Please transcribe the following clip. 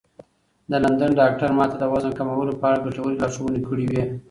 د لندن ډاکتر ما ته د وزن کمولو په اړه ګټورې لارښوونې کړې وې.